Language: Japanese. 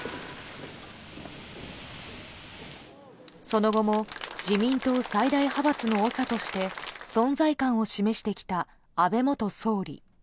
その後も自民党最大派閥の長として存在感を示してきた安倍元総理。